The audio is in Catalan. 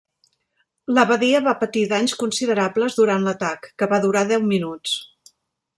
L'abadia va patir danys considerables durant l'atac, que va durar deu minuts.